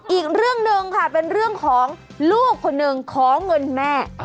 อีกเรื่องหนึ่งค่ะเป็นเรื่องของลูกคนหนึ่งขอเงินแม่